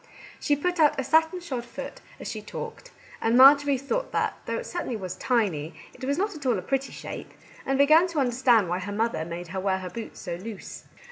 She put out a satin shod foot as she talked, and Marjorie thought that, though it certainly was tiny, it was not at all a pretty shape, and began to understand why her mother made her wear her boots so loose.